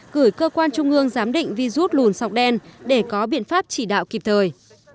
gửi cơ quan trung ương giám định vi rút lùn sọc đen để có biện pháp chỉ đạo kịp thời